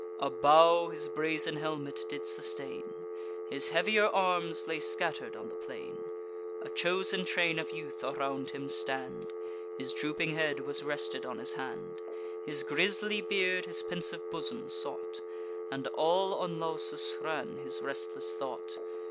A bough his brazen helmet did sustain; His heavier arms lay scatter'd on the plain: A chosen train of youth around him stand; His drooping head was rested on his hand: His grisly beard his pensive bosom sought; And all on Lausus ran his restless thought.